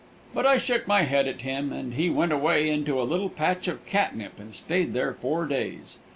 But I shook my head at him and he went away into a little patch of catnip and stayed there four days.